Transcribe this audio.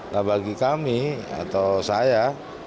nah bagi kami atau saya